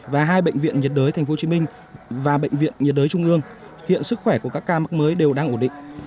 và hai bệnh viện nhiệt đới tp hcm và bệnh viện nhiệt đới trung ương hiện sức khỏe của các ca mắc mới đều đang ổn định